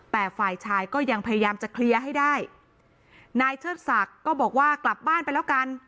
แต่ฝ่ายชายก็ยังพยายามจะเคลียร์ให้ได้นายเชิดศักดิ์ก็บอกว่ากลับบ้านไปแล้วกัน